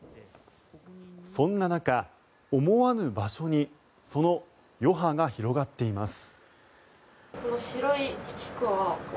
そんな中、思わぬ場所にその余波が広がっています。